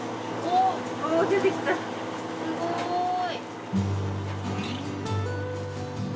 あすごい。